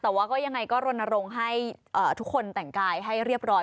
แต่ว่าก็ยังไงก็รณรงค์ให้ทุกคนแต่งกายให้เรียบร้อย